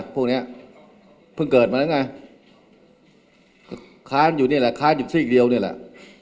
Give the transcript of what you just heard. พวกนี้เพิ่งเกิดมาแล้วไงก็ค้านอยู่นี่แหละค้านอยู่ซีกเดียวนี่แหละ